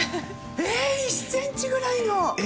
１ｃｍくらいの。